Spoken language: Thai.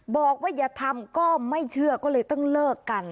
บอกว่าอย่าทำก็ไม่เชื่อก็เลยต้องเลิกกัน